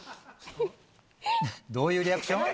どういうリアクション？